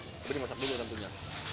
tapi dimasak dulu tentunya